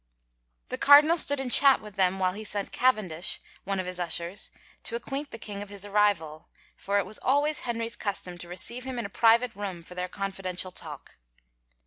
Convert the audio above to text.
The cardinal stood in chat with them while he sent Cavendish, one of his ushers, to acquaint the king of his arrival, for it was always Henry's custom to receive him in a private room for their confidential talk.